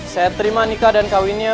saya terima nikah dan kawinnya